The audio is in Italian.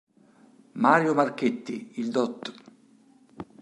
Mario Marchetti, il Dott.